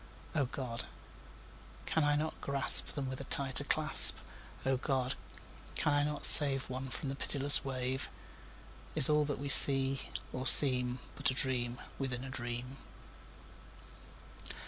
O God! can I not grasp Them with a tighter clasp? O God! can I not save One from the pitiless wave? Is all that we see or seem But a dream within a dream?